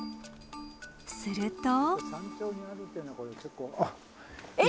すると。